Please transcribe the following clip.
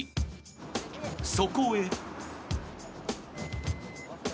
［そこへ］